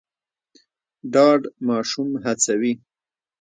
ډاډ ماشوم هڅوي.